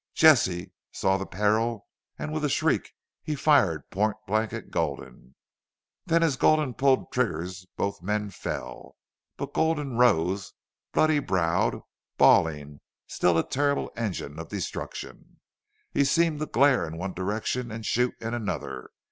Jesse saw the peril and with a shriek he fired point blank at Gulden. Then as Gulden pulled triggers both men fell. But Gulden rose, bloody browed, bawling, still a terrible engine of destruction. He seemed to glare in one direction and shoot in another.